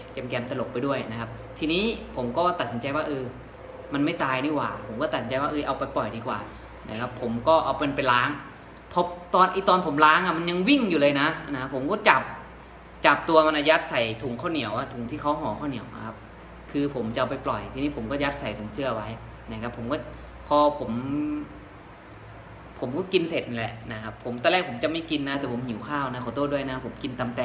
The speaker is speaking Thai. ก็เอามันไปล้างเพราะตอนตอนผมล้างอ่ะมันยังวิ่งอยู่เลยน่ะนะฮะผมก็จับจับตัวมาน่ะยัดใส่ถุงข้าวเหนียวอ่ะถุงที่เขาหอข้าวเหนียวอ่ะครับคือผมจะเอาไปปล่อยทีนี้ผมก็ยัดใส่ถุงเสื้อไว้นะครับผมก็พอผมผมก็กินเสร็จแหละนะครับผมตั้งแต่แรกผมจะไม่กินน่ะแต่ผมหิวข้าวน่ะขอโทษด้วยน่ะผมกินตำ